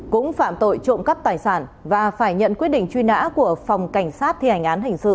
cũng phạm tội trộm cắp tài sản và phải nhận quyết định truy nã của phòng cảnh sát thi hành án hình sự